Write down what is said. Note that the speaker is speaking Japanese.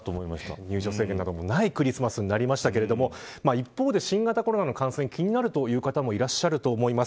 入場制限などもないクリスマスになりましたけど一方で、新型コロナ感染気になる方もいると思います。